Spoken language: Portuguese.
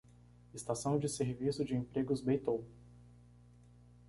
Estação de serviço de emprego Beitou